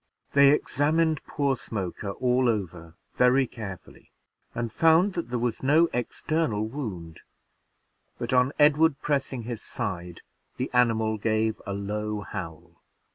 They examined poor Smoker all over very carefully, and found that there was no external wound; but on Edward pressing his side, the animal gave a low howl.